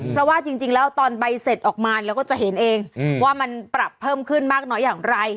เพราะว่าจริงแล้วตอนใบเสร็จออกมาเราก็จะเห็นเองว่ามันปรับเพิ่มขึ้นมากน้อยอย่างไร